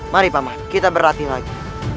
mari paman kita berlatih lagi